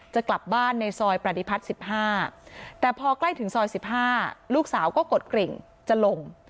จะกลับบ้านในซอยปฏิพัฒน์๑๕แต่พอใกล้ถึงซอย๑๕ลูกสาวก็กดกริ่งจะลง